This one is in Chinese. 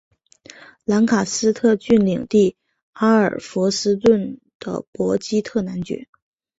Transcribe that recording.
兰卡斯特郡领地阿尔弗斯顿的伯基特男爵。